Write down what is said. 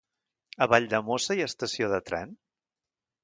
A Valldemossa hi ha estació de tren?